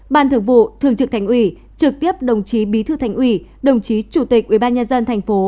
ban thượng vụ thường trực thành ủy trực tiếp đồng chí bí thư thành ủy đồng chí chủ tịch ubnd thành phố